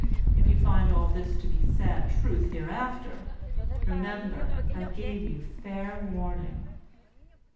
If you find all this to be sad truth hereafter, remember that I gave you fair warning.